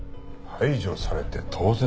排除されて当然？